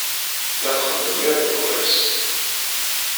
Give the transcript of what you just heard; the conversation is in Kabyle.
La txeddem iḍ d wass.